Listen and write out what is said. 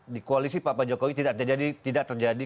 di koalisi pak jombowi tidak terjadi